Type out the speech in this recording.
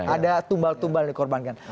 ada tumbal tumbal yang dikorbankan